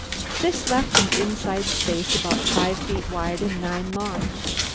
This left an inside space about five feet wide and nine long.